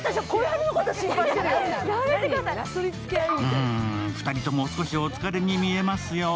うん、２人とも少しお疲れに見えますよ。